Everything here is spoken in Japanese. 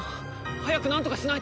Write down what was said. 早くなんとかしないと！